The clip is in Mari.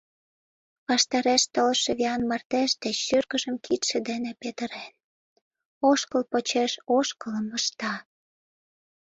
Ваштареш толшо виян мардеж деч шӱргыжым кидше дене петырен, ошкыл почеш ошкылым ышта.